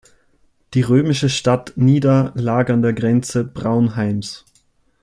Die römische Stadt Nida lag an der Grenze Praunheims.